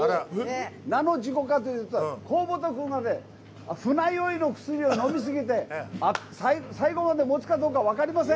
なんの事故かというと河本君が船酔いの薬をのみすぎて最後まで持つかどうか分かりません。